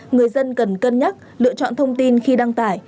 người dân cần cân nhắc lựa chọn thông tin khi đăng tải